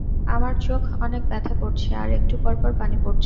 আমার চোখ অনেক ব্যথা করছে আর একটু পর পর পানি পরছে।